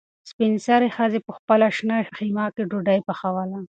سپین سرې ښځې په خپله شنه خیمه کې ډوډۍ پخوله.